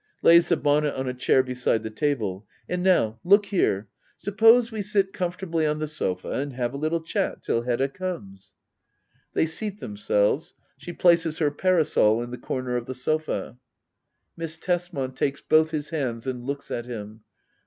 [Lays the bonnet on a chair beside the table,'] And now, look here — suppose we sit comfortably on the sofa and have a little chat, till Hedda comes. [They seat themselves. She places her para sol in the comer of the sofa. Miss Tesman. [Takes both his hands and looks at him.